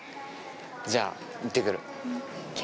じゃあ行ってくる。